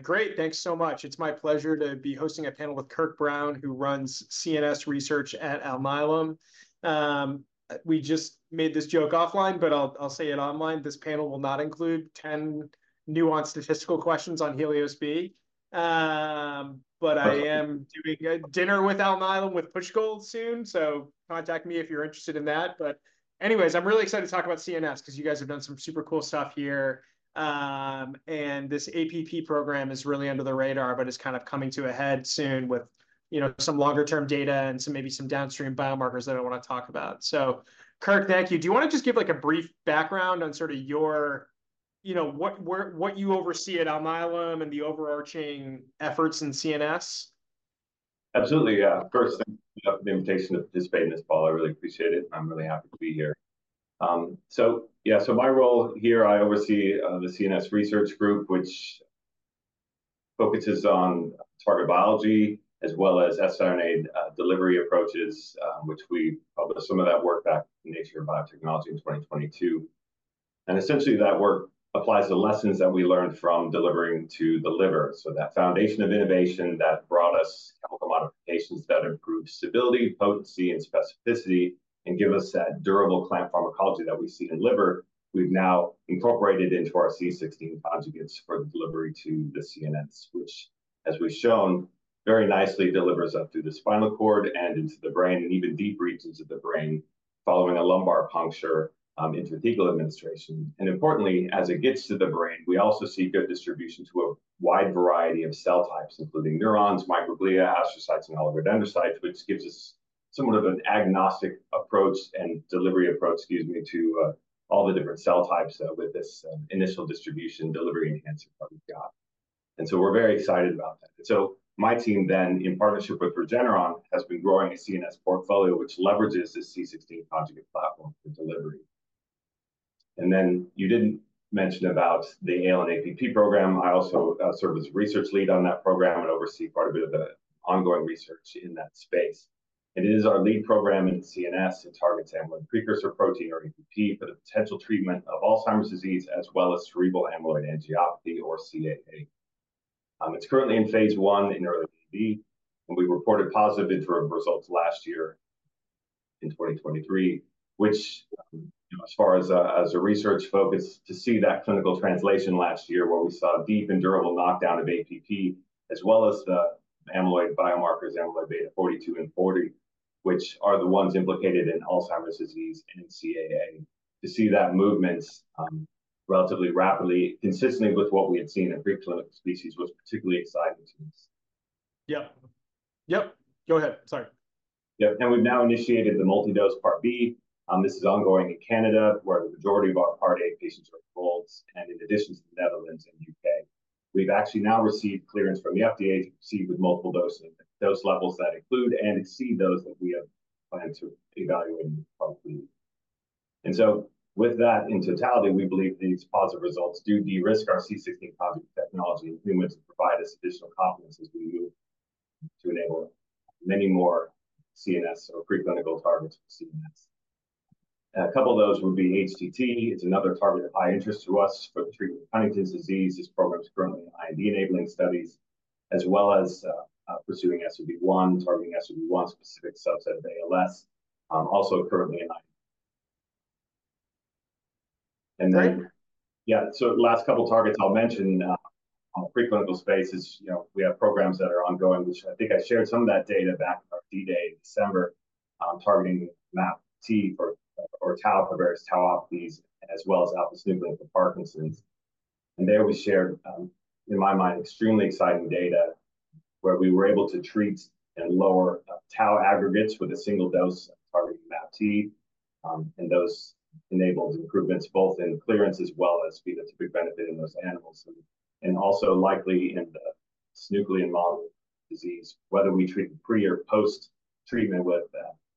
Great, thanks so much. It's my pleasure to be hosting a panel with Kirk Brown, who runs CNS Research at Alnylam. We just made this joke offline, but I'll say it online: this panel will not include 10 nuanced statistical questions on HELIOS-B. I am doing a dinner with Alnylam with Pushkal soon, so contact me if you're interested in that. Anyways, I'm really excited to talk about CNS because you guys have done some super cool stuff here. This APP program is really under the radar, but it's kind of coming to a head soon with, you know, some longer-term data and some maybe some downstream biomarkers that I want to talk about. So, Kirk, thank you. Do you want to just give, like, a brief background on sort of your, you know, what you oversee at Alnylam and the overarching efforts in CNS? Absolutely, yeah. First, thanks for the invitation to participate in this call. I really appreciate it, and I'm really happy to be here. So yeah, so my role here, I oversee the CNS Research Group, which focuses on target biology as well as siRNA delivery approaches, which we published some of that work back in Nature Biotechnology in 2022. And essentially, that work applies the lessons that we learned from delivering to the liver. So that foundation of innovation that brought us chemical modifications that improved stability, potency, and specificity, and give us that durable potent pharmacology that we see in liver, we've now incorporated into our C16 conjugates for the delivery to the CNS, which, as we've shown, very nicely delivers up through the spinal cord and into the brain and even deep reaches into the brain following a lumbar puncture, intrathecal administration. And importantly, as it gets to the brain, we also see good distribution to a wide variety of cell types, including neurons, microglia, astrocytes, and oligodendrocytes, which gives us somewhat of an agnostic approach and delivery approach, excuse me, to all the different cell types with this initial distribution delivery enhancer that we've got. And so we're very excited about that. And so my team then, in partnership with Regeneron, has been growing a CNS portfolio which leverages this C16 conjugate platform for delivery. And then you didn't mention about the ALN-APP program. I also serve as a research lead on that program and oversee quite a bit of the ongoing research in that space. And it is our lead program in CNS and targets amyloid precursor protein, or APP, for the potential treatment of Alzheimer's disease as well as cerebral amyloid angiopathy, or CAA. It's currently in phase I in early AD, and we reported positive interim results last year in 2023, which, you know, as far as, as a research focus, to see that clinical translation last year where we saw a deep and durable knockdown of APP as well as the amyloid biomarkers, amyloid beta 42 and 40, which are the ones implicated in Alzheimer's disease and CAA, to see that movements, relatively rapidly, consistently with what we had seen in preclinical species, was particularly exciting to us. Yep. Yep. Go ahead. Sorry. Yep. And we've now initiated the multi-dose Part B. This is ongoing in Canada, where the majority of our Part A patients are enrolled, and in addition to the Netherlands and UK, we've actually now received clearance from the FDA to proceed with multiple dosing dose levels that include and exceed those that we have planned to evaluate in the Part B. And so with that in totality, we believe these positive results do de-risk our C16 conjugate technology in humans and provide us additional confidence as we move to enable many more CNS or preclinical targets for CNS. A couple of those would be HTT. It's another target of high interest to us for the treatment of Huntington's disease. This program's currently in IND-enabling studies, as well as pursuing SOD1, targeting SOD1-specific subset of ALS, also currently in IND. And then. Great. Yeah. So last couple of targets I'll mention, on the preclinical space is, you know, we have programs that are ongoing, which I think I shared some of that data back at R&D Day in December, targeting MAPT for, or tau for various tauopathies, as well as alpha-synuclein for Parkinson's. And there we shared, in my mind, extremely exciting data where we were able to treat and lower tau aggregates with a single dose targeting MAPT, and those enabled improvements both in clearance as well as phenotypic benefit in those animals. And, and also likely in the synuclein model disease, whether we treat it pre or post-treatment with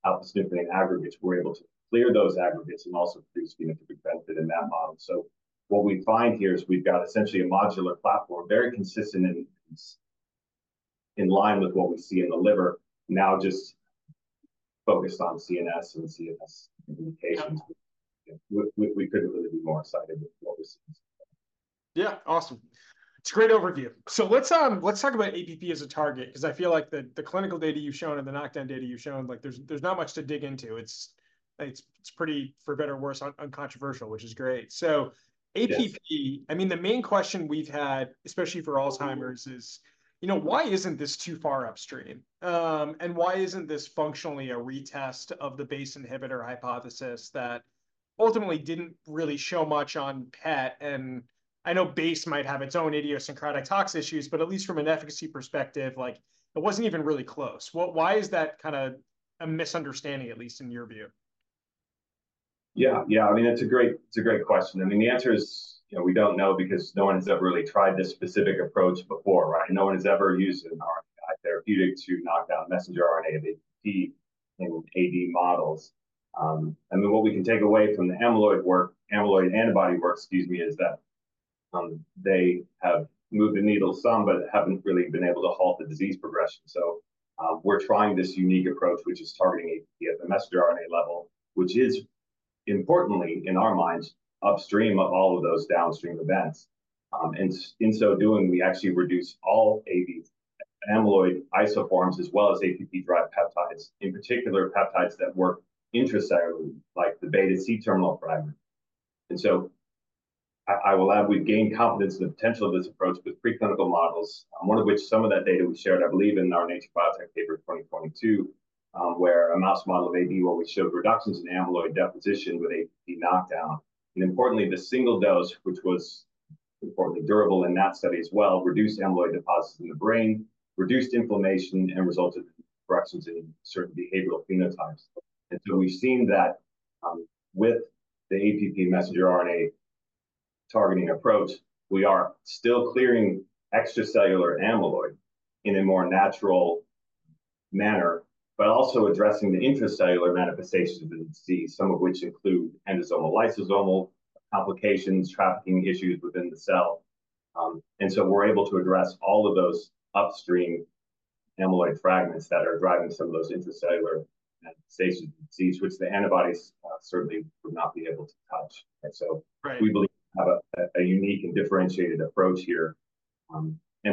alpha-synuclein aggregates, we're able to clear those aggregates and also produce phenotypic benefit in that model. So what we find here is we've got essentially a modular platform very consistent in line with what we see in the liver, now just focused on CNS and CNS implications. We couldn't really be more excited with what we're seeing so far. Yeah. Awesome. It's a great overview. So let's, let's talk about APP as a target because I feel like the, the clinical data you've shown and the knockdown data you've shown, like, there's, there's not much to dig into. It's, it's, it's pretty, for better or worse, uncontroversial, which is great. So APP, I mean, the main question we've had, especially for Alzheimer's, is, you know, why isn't this too far upstream? And why isn't this functionally a retest of the BACE inhibitor hypothesis that ultimately didn't really show much on PET? And I know BACE might have its own idiosyncratic tox issues, but at least from an efficacy perspective, like, it wasn't even really close. What, why is that kind of a misunderstanding, at least in your view? Yeah. Yeah. I mean, it's a great, it's a great question. I mean, the answer is, you know, we don't know because no one has ever really tried this specific approach before, right? No one has ever used an RNAi therapeutic to knock down messenger mRNA of APP in AD models. And then what we can take away from the amyloid work, amyloid antibody work, excuse me, is that, they have moved the needle some, but haven't really been able to halt the disease progression. So, we're trying this unique approach, which is targeting APP at the messenger RNA level, which is importantly, in our minds, upstream of all of those downstream events. And in so doing, we actually reduce all AD amyloid isoforms as well as APP-derived peptides, in particular peptides that work intracellularly, like the beta-C-terminal fragments. And so I, I will add we've gained confidence in the potential of this approach with preclinical models, one of which some of that data we shared, I believe, in our Nature Biotechnology paper in 2022, where a mouse model of AD where we showed reductions in amyloid deposition with APP knockdown. Importantly, the single dose, which was importantly durable in that study as well, reduced amyloid deposits in the brain, reduced inflammation, and resulted in corrections in certain behavioral phenotypes. So we've seen that, with the APP messenger mRNA targeting approach, we are still clearing extracellular amyloid in a more natural manner, but also addressing the intracellular manifestations of the disease, some of which include endosomal lysosomal complications, trafficking issues within the cell. And so we're able to address all of those upstream amyloid fragments that are driving some of those intracellular manifestations of disease, which the antibodies certainly would not be able to touch, right? So. Right. We believe we have a unique and differentiated approach here.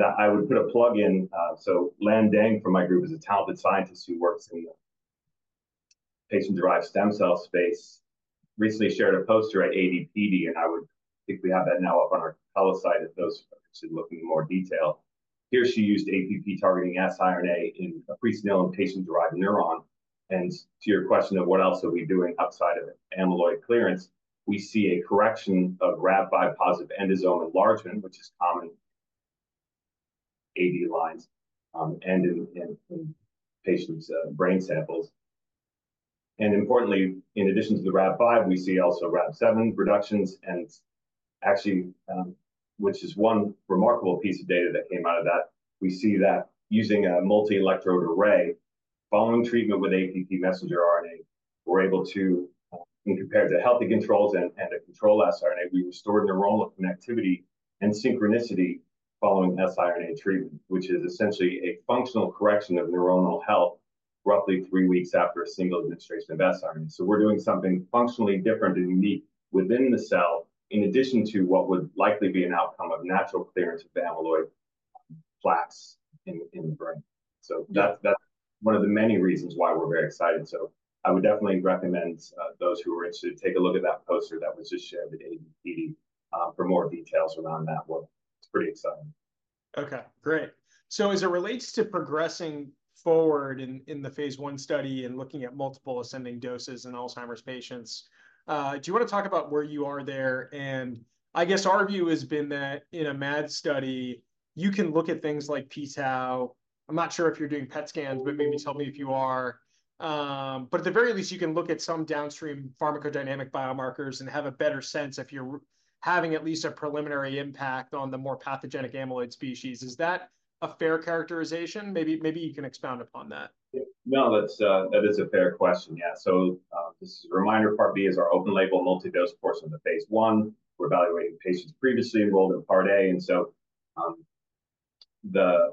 I would put a plug in, so Lan Deng from my group is a talented scientist who works in the patient-derived stem cell space, recently shared a poster at AD/PD, and I would think we have that now up on our company site if those are interested in looking in more detail. Here she used APP targeting siRNA in a presenilin patient-derived neuron. To your question of what else are we doing outside of amyloid clearance, we see a correction of RAB5-positive endosome enlargement, which is common in AD lines, and in patients' brain samples. Importantly, in addition to the RAB5, we see also RAB7 reductions. Actually, which is one remarkable piece of data that came out of that, we see that using a multi-electrode array following treatment with APP messenger RNA, we're able to, when compared to healthy controls and a control siRNA, we restored neuronal connectivity and synchronicity following siRNA treatment, which is essentially a functional correction of neuronal health roughly three weeks after a single administration of siRNA. So we're doing something functionally different and unique within the cell in addition to what would likely be an outcome of natural clearance of amyloid plaques in the brain. So that's one of the many reasons why we're very excited. So I would definitely recommend those who are interested take a look at that poster that was just shared at AD/PD for more details around that work. It's pretty exciting. Okay. Great. So as it relates to progressing forward in the phase I study and looking at multiple ascending doses in Alzheimer's patients, do you want to talk about where you are there? And I guess our view has been that in a MAD study, you can look at things like pTau. I'm not sure if you're doing PET scans, but maybe tell me if you are. But at the very least, you can look at some downstream pharmacodynamic biomarkers and have a better sense if you're having at least a preliminary impact on the more pathogenic amyloid species. Is that a fair characterization? Maybe, maybe you can expound upon that. Yeah. No, that's, that is a fair question. Yeah. So, this is a reminder. Part B is our open-label multi-dose portion of the phase I. We're evaluating patients previously enrolled in Part A. And so, we're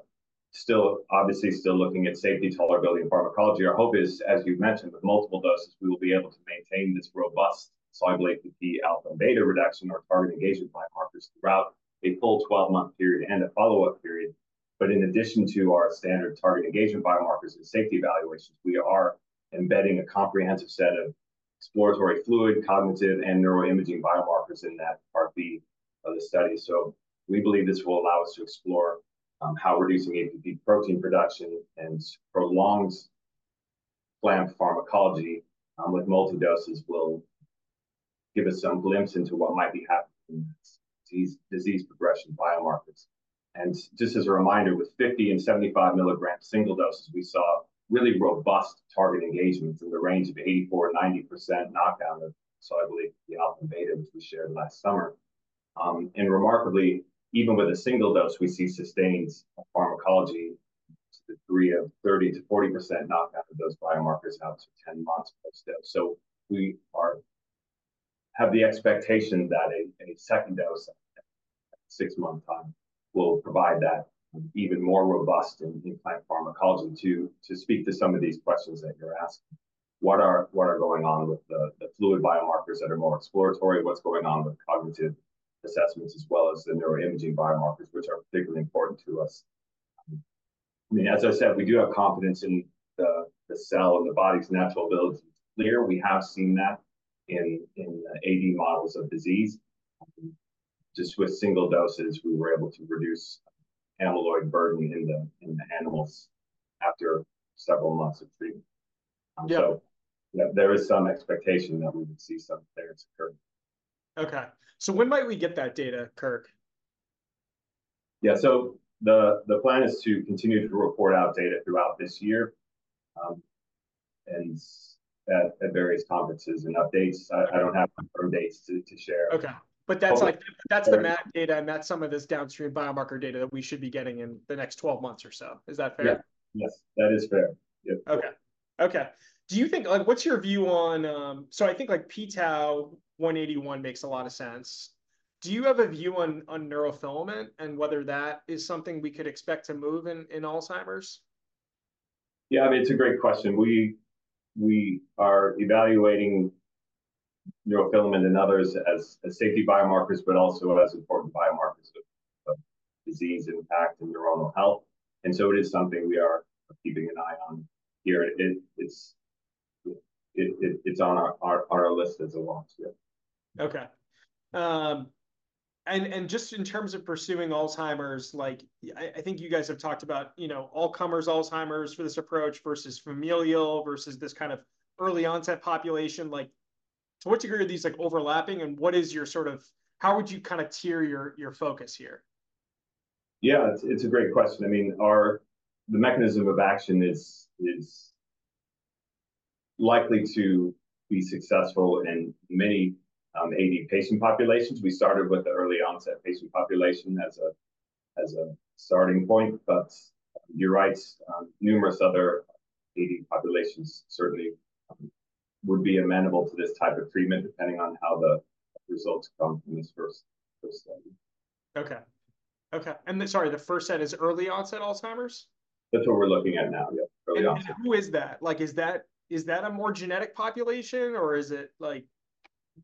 still obviously still looking at safety, tolerability, and pharmacology. Our hope is, as you mentioned, with multiple doses, we will be able to maintain this robust soluble APP alpha and beta reduction or target engagement biomarkers throughout a full 12-month period and a follow-up period. But in addition to our standard target engagement biomarkers and safety evaluations, we are embedding a comprehensive set of exploratory fluid, cognitive, and neuroimaging biomarkers in that part B of the study. So we believe this will allow us to explore how reducing APP protein production and prolonged APP pharmacology, with multi-doses will give us some glimpse into what might be happening in that disease progression biomarkers. Just as a reminder, with 50 mg and 75 mg single doses, we saw really robust target engagements in the range of 84% and 90% knockdown of soluble APP alpha and beta, which we shared last summer. Remarkably, even with a single dose, we see sustained pharmacology to the degree of 30%-40% knockdown of those biomarkers out to 10 months post-dose. So we have the expectation that a second dose at six-month time will provide that even more robust in-patientt pharmacology. To speak to some of these questions that you're asking, what is going on with the fluid biomarkers that are more exploratory? What's going on with cognitive assessments as well as the neuroimaging biomarkers, which are particularly important to us? I mean, as I said, we do have confidence in the cell and the body's natural ability to clear. We have seen that in AD models of disease. Just with single doses, we were able to reduce amyloid burden in the animals after several months of treatment. So. Yeah. Yeah. There is some expectation that we would see some clearance occur. Okay. So when might we get that data, Kirk? Yeah. So the plan is to continue to report out data throughout this year, and at various conferences and updates. I don't have confirmed dates to share. Okay. But that's, like, that's the MAD data, and that's some of this downstream biomarker data that we should be getting in the next 12 months or so. Is that fair? Yeah. Yes. That is fair. Yep. Okay. Okay. Do you think, like, what's your view on, so I think, like, pTau-181 makes a lot of sense. Do you have a view on, on neurofilament and whether that is something we could expect to move in, in Alzheimer's? Yeah. I mean, it's a great question. We are evaluating neurofilament and others as safety biomarkers, but also as important biomarkers of disease impact and neuronal health. And so it is something we are keeping an eye on here. It is on our list as a longitudinal. Okay. And just in terms of pursuing Alzheimer's, like, I think you guys have talked about, you know, all-comers Alzheimer's for this approach versus familial versus this kind of early-onset population. Like, to what degree are these, like, overlapping, and what is your sort of how would you kind of tier your focus here? Yeah. It's a great question. I mean, the mechanism of action is likely to be successful in many AD patient populations. We started with the early-onset patient population as a starting point. But you're right. Numerous other AD populations certainly would be amenable to this type of treatment depending on how the results come from this first study. Okay. Okay. And sorry, the first set is early-onset Alzheimer's? That's what we're looking at now. Yeah. Early-onset. And who is that? Like, is that a more genetic population, or is it, like,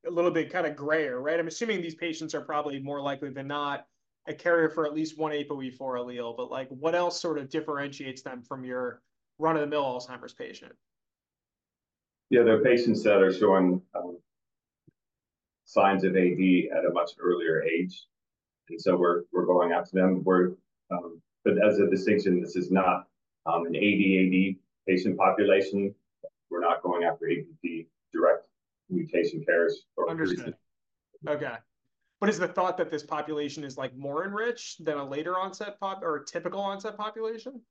a little bit kind of grayer, right? I'm assuming these patients are probably more likely than not a carrier for at least one APOE4 allele. But, like, what else sort of differentiates them from your run-of-the-mill Alzheimer's patient? Yeah. They're patients that are showing signs of AD at a much earlier age. And so we're going after them. But as a distinction, this is not an ADAD patient population. We're not going after APP direct mutation carriers or. Understood. Okay. But is the thought that this population is, like, more enriched than a later-onset or a typical-onset population?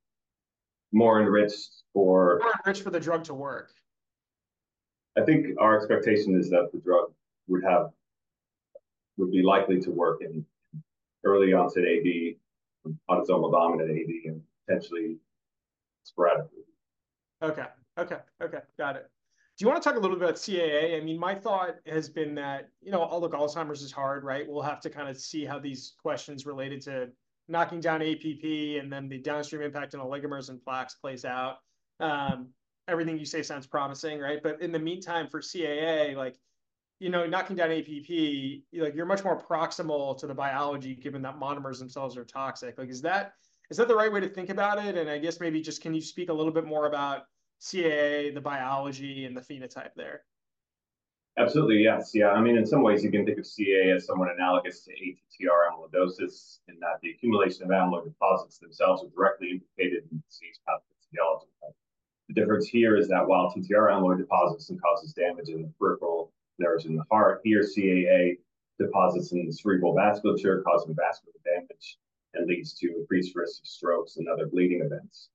More enriched for. More enriched for the drug to work? I think our expectation is that the drug would be likely to work in early-onset AD, autosomal dominant AD, and potentially sporadically. Okay. Okay. Okay. Got it. Do you want to talk a little bit about CAA? I mean, my thought has been that, you know, although Alzheimer's is hard, right, we'll have to kind of see how these questions related to knocking down APP and then the downstream impact on oligomers and plaques plays out. Everything you say sounds promising, right? But in the meantime, for CAA, like, you know, knocking down APP, like, you're much more proximal to the biology given that monomers themselves are toxic. Like, is that is that the right way to think about it? And I guess maybe just can you speak a little bit more about CAA, the biology, and the phenotype there? Absolutely. Yes. Yeah. I mean, in some ways, you can think of CAA as somewhat analogous to ATTR amyloidosis in that the accumulation of amyloid deposits themselves are directly implicated in disease pathophysiology. The difference here is that while TTR amyloid deposits can cause damage in the peripheral nerves in the heart, here, CAA deposits in the cerebral vasculature cause vascular damage and lead to increased risk of strokes and other bleeding events.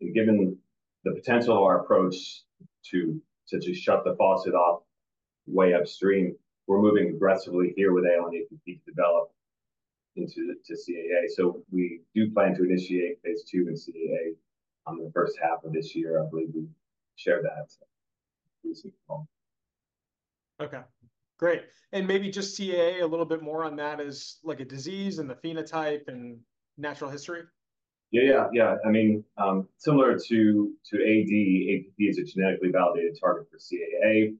And given the potential of our approach to just shut the faucet off way upstream, we're moving aggressively here with ALN-APP to develop into CAA. So we do plan to initiate phase II in CAA on the first half of this year. I believe we shared that recent call. Okay. Great. Maybe just CAA a little bit more on that as, like, a disease and the phenotype and natural history? I mean, similar to AD, APP is a genetically validated target for CAA.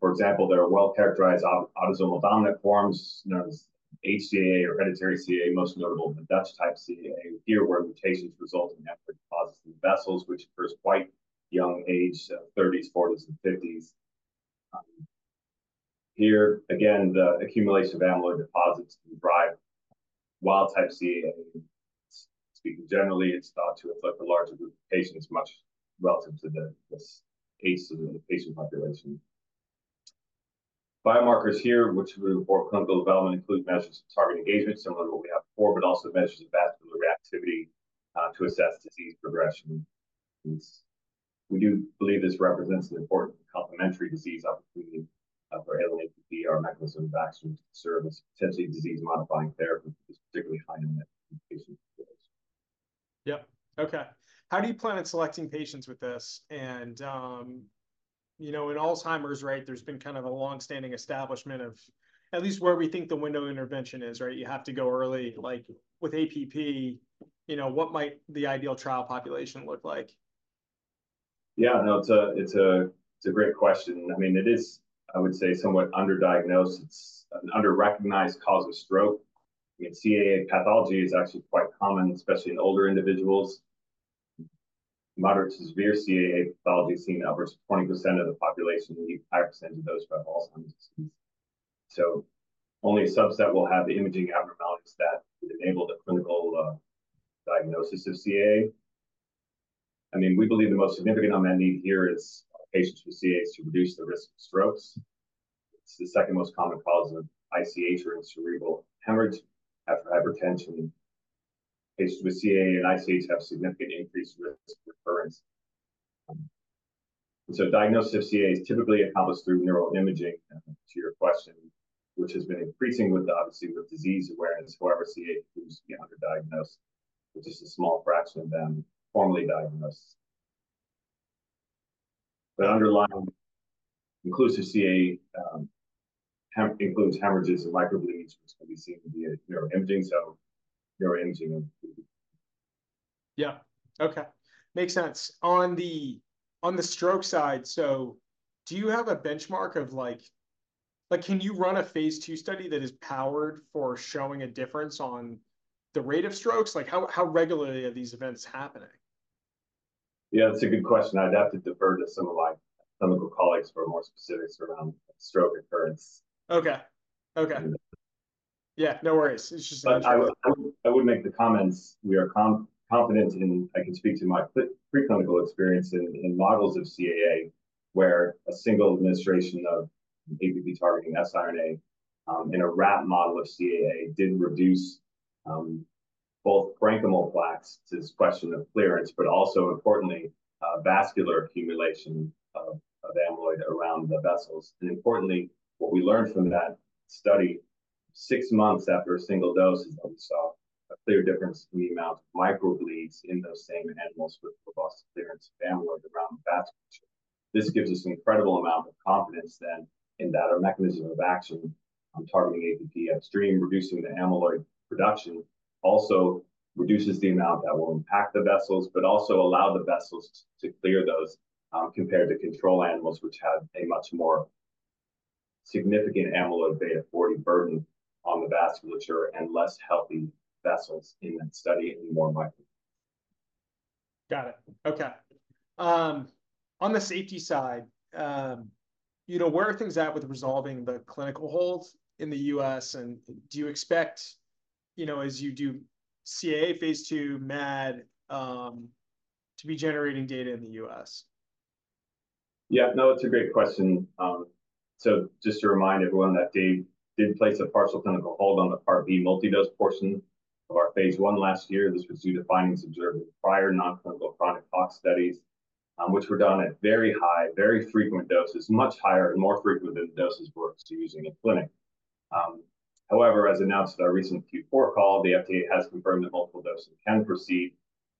For example, there are well-characterized autosomal dominant forms known as HCAA or hereditary CAA, most notable in the Dutch type CAA where mutations result in amyloid deposits in the vessels, which occurs at quite a young age, 30s, 40s, and 50s. Here, again, the accumulation of amyloid deposits can drive wild-type CAA. Speaking generally, it's thought to affect a larger group of patients much relative to this age of the patient population. Biomarkers here, which we report in clinical development, include measures of target engagement similar to what we have before, but also measures of vascular reactivity to assess disease progression. We do believe this represents an important complementary disease opportunity for ALN-APP, our mechanism of action to serve as potentially disease-modifying therapy for this particularly high-need patients. Yep. Okay. How do you plan on selecting patients with this? And, you know, in Alzheimer's, right, there's been kind of a longstanding establishment of at least where we think the window intervention is, right? You have to go early. Like, with APP, you know, what might the ideal trial population look like? Yeah. No, it's a great question. I mean, it is, I would say, somewhat underdiagnosed. It's an under-recognized cause of stroke. I mean, CAA pathology is actually quite common, especially in older individuals. Moderate to severe CAA pathology is seen in upwards of 20% of the population, maybe 5% of those who have Alzheimer's disease. So only a subset will have the imaging abnormalities that would enable the clinical diagnosis of CAA. I mean, we believe the most significant on that need here is patients with CAAs to reduce the risk of strokes. It's the second most common cause of ICH or intracerebral hemorrhage after hypertension. Patients with CAA and ICH have significant increased risk of recurrence. And so diagnosis of CAAs typically accomplished through neuroimaging, to your question, which has been increasing with obviously with disease awareness. However, CAA includes, yeah, underdiagnosed, but just a small fraction of them formally diagnosed. But underlying inclusive CAA includes hemorrhages and microbleeds, which can be seen via neuroimaging. So neuroimaging includes. Yeah. Okay. Makes sense. On the stroke side, so do you have a benchmark of, like, can you run a phase II study that is powered for showing a difference on the rate of strokes? Like, how regularly are these events happening? Yeah. That's a good question. I'd have to defer to some of my clinical colleagues for more specifics around stroke occurrence. Okay. Okay. Yeah. No worries. It's just. I would make the comments we are confident in. I can speak to my preclinical experience in models of CAA where a single administration of APP targeting siRNA in a rat model of CAA did reduce both parenchymal plaques to this question of clearance, but also importantly, vascular accumulation of amyloid around the vessels. Importantly, what we learned from that study six months after a single dose is that we saw a clear difference in the amount of microbleeds in those same animals with robust clearance of amyloid around the vasculature. This gives us an incredible amount of confidence then in that our mechanism of action on targeting APP upstream, reducing the amyloid production, also reduces the amount that will impact the vessels, but also allow the vessels to clear those compared to control animals, which had a much more significant amyloid beta 40 burden on the vasculature and less healthy vessels in that study and more microbleeds. Got it. Okay. On the safety side, you know, where are things at with resolving the clinical holds in the U.S.? And do you expect, you know, as you do CAA phase II, MAD, to be generating data in the U.S.? Yeah. No, it's a great question. So just to remind everyone that FDA did place a partial clinical hold on the Part B multidose portion of our phase I last year. This was due to findings observed in prior non-clinical chronic tox studies, which were done at very high, very frequent doses, much higher and more frequent than the doses we're actually using in clinic. However, as announced at our recent Q4 call, the FDA has confirmed that multiple dosing can proceed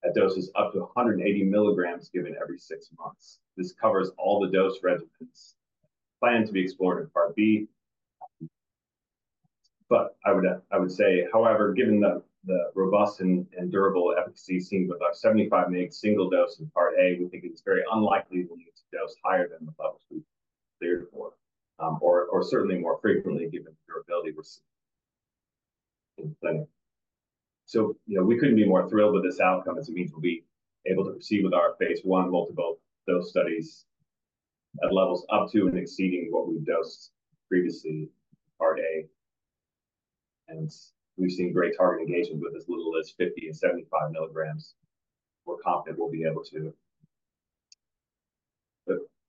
at doses up to 180 mg given every six months. This covers all the dose regimens planned to be explored in Part B. But I would say, however, given the robust and durable efficacy seen with our 75 mg single dose in Part A, we think it's very unlikely we'll need to dose higher than the levels we've cleared for or certainly more frequently given the durability we're seeing in clinic. So, you know, we couldn't be more thrilled with this outcome as it means we'll be able to proceed with our phase 1 multiple dose studies at levels up to and exceeding what we've dosed previously in Part A. And we've seen great target engagement with as little as 50 and 75 mg. We're confident we'll be able to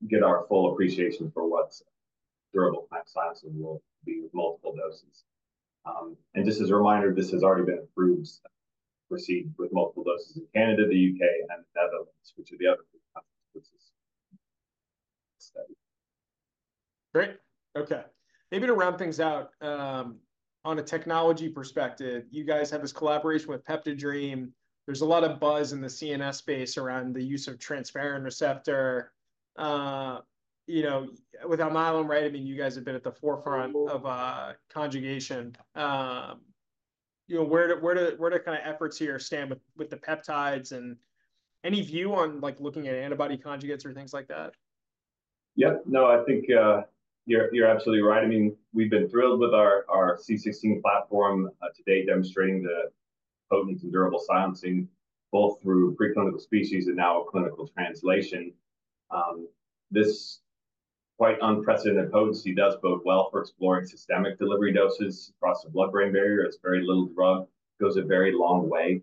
get our full appreciation for what durable GalNAc science and we'll see with multiple doses. And just as a reminder, this has already been approved. Proceed with multiple doses in Canada, the U.K., and the Netherlands, which are the other three countries for this study. Great. Okay. Maybe to round things out, on a technology perspective, you guys have this collaboration with PeptiDream. There's a lot of buzz in the CNS space around the use of transferrin receptor. You know, with Alnylam, right, I mean, you guys have been at the forefront of conjugation. You know, where do your efforts here stand with the peptides and any view on, like, looking at antibody conjugates or things like that? Yeah. No, I think you're absolutely right. I mean, we've been thrilled with our C16 platform today demonstrating the potency and durable silencing both through preclinical species and now a clinical translation. This quite unprecedented potency does bode well for exploring systemic delivery doses across the blood-brain barrier. It's very little drug goes a very long way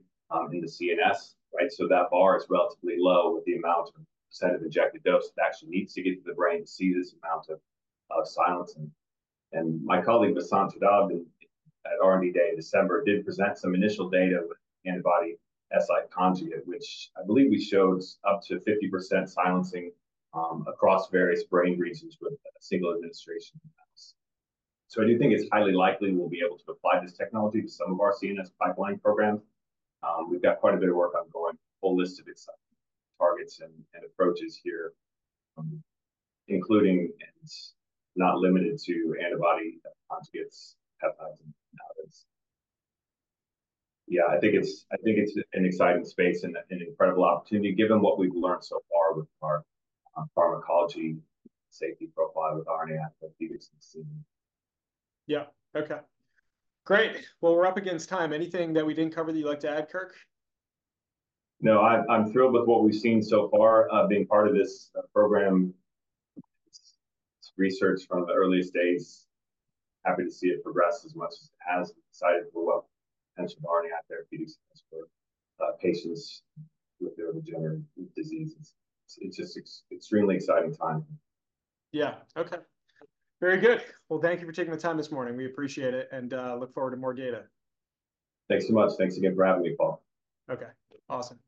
in the CNS, right? So that bar is relatively low with the amount of percent of injected dose that actually needs to get to the brain to see this amount of silence. And my colleague Vasant Jadhav at R&D Day in December did present some initial data with antibody-siRNA conjugate, which I believe we showed up to 50% silencing across various brain regions with a single administration in the mouse. So I do think it's highly likely we'll be able to apply this technology to some of our CNS pipeline programs. We've got quite a bit of work ongoing, a whole list of exciting targets and approaches here, including and not limited to antibody conjugates, peptides, and inhalers. Yeah. I think it's an exciting space and an incredible opportunity given what we've learned so far with our pharmacology safety profile with siRNA antibody conjugates and. Yeah. Okay. Great. Well, we're up against time. Anything that we didn't cover that you'd like to add, Kirk? No. I'm thrilled with what we've seen so far being part of this program. It's research from the earliest days. Happy to see it progress as much as it has and excited for what potential RNAi therapeutics for patients with neurodegenerative diseases. It's just extremely exciting time. Yeah. Okay. Very good. Well, thank you for taking the time this morning. We appreciate it and look forward to more data. Thanks so much. Thanks again for having me, Paul. Okay. Awesome.